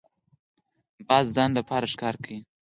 باز د ځان لپاره ښکار کوي